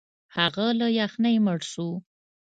هغه له یخنۍ مړ شو.